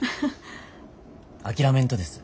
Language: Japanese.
諦めんとです